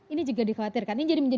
ini juga dikhawatirkan